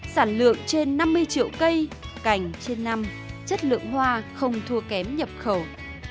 sản lượng trên năm mươi triệu cây cành trên năm chất lượng hoa không thua kém nhập khẩu